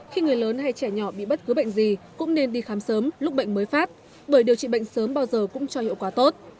khi người lớn hay trẻ nhỏ bị bất cứ bệnh gì cũng nên đi khám sớm lúc bệnh mới phát bởi điều trị bệnh sớm bao giờ cũng cho hiệu quả tốt